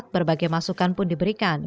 berbagai masukan pun diberikan